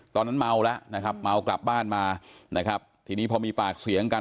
ตอนนั้นเมาแล้วนะครับเมากลับบ้านมานะครับทีนี้พอมีปากเสียงกัน